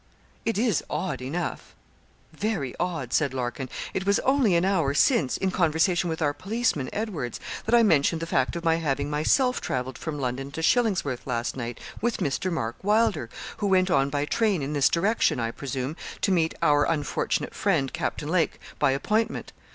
'It is odd enough very odd,' said Larkin. 'It was only an hour since, in conversation with our policeman, Edwards, that I mentioned the fact of my having myself travelled from London to Shillingsworth last night with Mr. Mark Wylder, who went on by train in this direction, I presume, to meet our unfortunate friend, Captain Lake, by appointment.